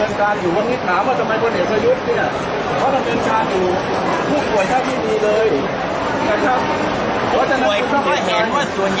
อาหรับเชี่ยวจามันไม่มีควรหยุด